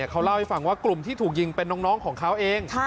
เขาเล่าให้ฟังว่ากลุ่มที่ถูกยิงเป็นน้องของเขาเอง